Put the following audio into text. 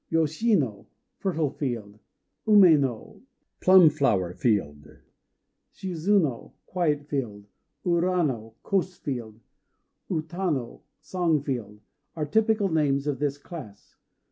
Yoshino ("Fertile Field"), Uméno ("Plumflower Field"), Shizuno ("Quiet Field"), Urano ("Coast Field"), Utano ("Song Field"), are typical names of this class.